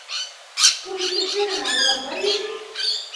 — Ул иптәштәре менән урамда йөрөй.